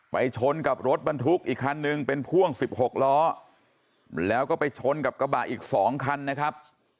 ชนกับรถบรรทุกอีกคันนึงเป็นพ่วง๑๖ล้อแล้วก็ไปชนกับกระบะอีก๒คันนะครับ